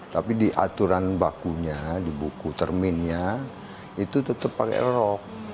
tapi di aturan bakunya di buku terminnya itu tetap pakai rok